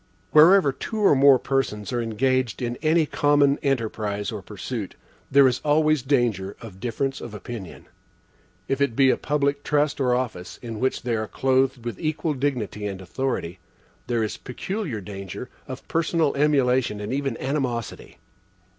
Wherever two or more persons are engaged in any common enterprise or pursuit, there is always danger of difference of opinion. If it be a public trust or office, in which they are clothed with equal dignity and authority, there is peculiar danger of personal emulation and even animosity.